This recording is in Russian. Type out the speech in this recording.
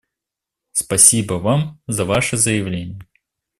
Спасибо Вам за Ваше заявление.